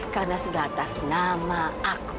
karena sudah atas nama aku